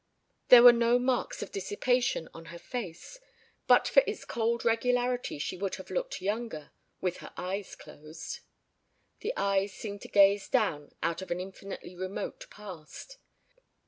There were no marks of dissipation on her face. But for its cold regularity she would have looked younger with her eyes closed. The eyes seemed to gaze down out of an infinitely remote past.